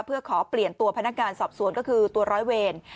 เพื่อขอเปลี่ยนตัวพนักงานสอบสวนก็คือตัวร้อยเวร